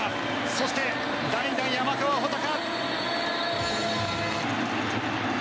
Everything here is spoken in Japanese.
そして代打、山川穂高。